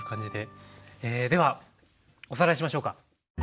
ではおさらいしましょうか。